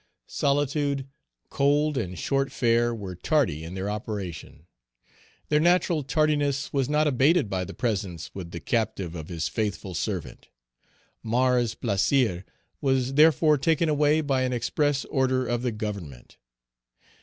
Solitude, cold, and short fare were tardy in their operation. Their natural tardiness was not abated by the presence with the captive of his faithful servant. Mars Plaisir was therefore taken away by an express order of the Government.